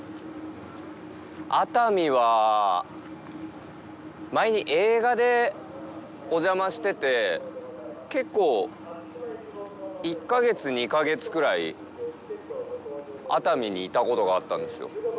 熱海は、前に映画でお邪魔してて、結構、１か月、２か月ぐらい熱海にいたことがあったんですよ。